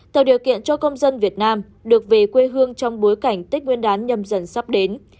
tạo điều kiện cho công dân việt nam được về quê hương trong bối cảnh tết nguyên đán nhâm dần sắp đến